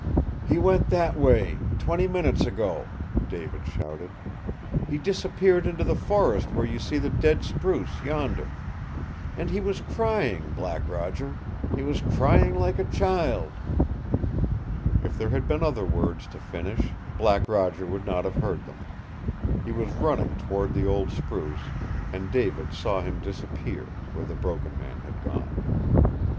"He went that way twenty minutes ago," David shouted. "He disappeared into the forest where you see the dead spruce yonder. And he was crying, Black Roger he was crying like a child." If there had been other words to finish, Black Roger would not have heard them. He was running toward the old spruce, and David saw him disappear where the Broken Man had gone.